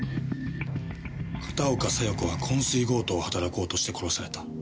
片岡小夜子は昏睡強盗を働こうとして殺された。